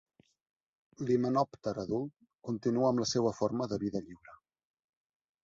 L'himenòpter adult continua amb la seua forma de vida lliure.